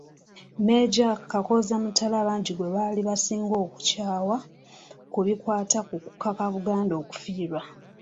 Meeja Kakooza Mutale abangi gwe baali basinga okukyawa ku bikwata ku kukaka Buganda okufiirwa